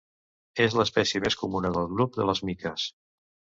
És l'espècie més comuna del grup de les miques.